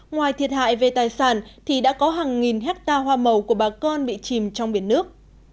ngoài thiệt hại về tài sản thì đã có hàng nghìn hectare hoa màu của bà con bị chìm trong biển nước